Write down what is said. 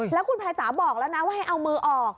แล้วคุณภายจ๋าบอกแล้วนะว่าให้เอามือออก